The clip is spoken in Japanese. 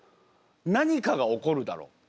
何かが起こるだろうって。